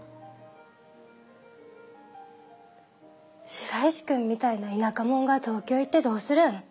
白石君みたいな田舎者が東京行ってどうするん？